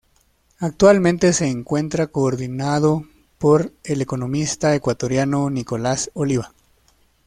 Actualmente, se encuentra coordinado por el economista ecuatoriano Nicolás Oliva.